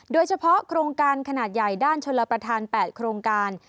โครงการขนาดใหญ่ด้านชลประธาน๘โครงการ